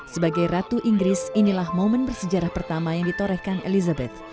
sebagai ratu inggris inilah momen bersejarah pertama yang ditorehkan elizabeth